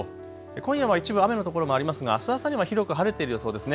今夜は一部雨の所もありますがあす朝には広く晴れている予想ですね。